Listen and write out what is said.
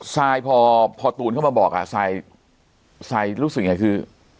ซายพอตูนเข้ามาบอกอ่ะซายรู้สึกยังไงคือ